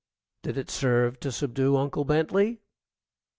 Did it serve to subdue Uncle Bentley?